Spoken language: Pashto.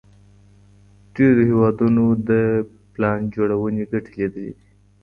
ډېرو هېوادونو د پلان جوړوني ګټي ليدلي دي.